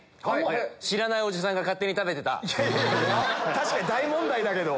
確かに大問題だけど。